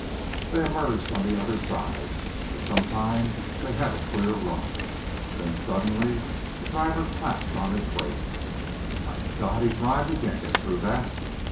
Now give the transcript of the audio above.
They emerged on the other side. For some time they had a clear run. Then suddenly the driver clapped on his brakes. "My God!" he cried. "We can't get through that!"